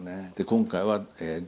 今回は。